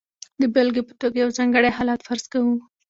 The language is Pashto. د بېلګې په توګه یو ځانګړی حالت فرض کوو.